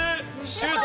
シュート！